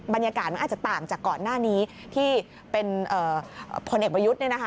บรรยากาศมันอาจจะต่างจากก่อนหน้านี้ที่เป็นผลเอกประยุทธ์